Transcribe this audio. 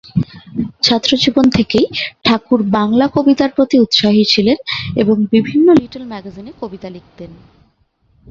ছাত্র জীবন থেকেই ঠাকুর বাংলা কবিতার প্রতি উৎসাহী ছিলেন এবং বিভিন্ন লিটল ম্যাগাজিনে কবিতা লিখতেন।